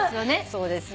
そうですね。